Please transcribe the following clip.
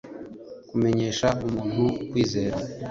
kumenyesha umuntu; kwizera